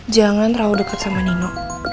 jangan terlalu dekat sama nino